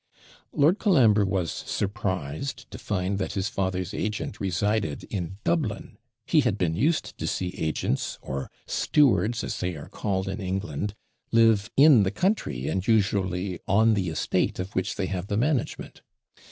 Lord Colambre was surprised to find that his father's agent resided in Dublin: he had been used to see agents, or stewards, as they are called in England, live in the country, and usually on the estate of which they have the management.